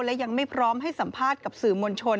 และยังไม่พร้อมให้สัมภาษณ์กับสื่อมวลชน